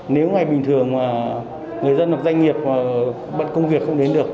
nếu ngày bình thường mà người dân hoặc doanh nghiệp bận công việc không đến được